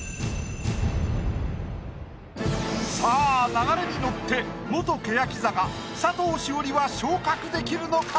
さあ流れに乗って元欅坂佐藤詩織は昇格できるのか？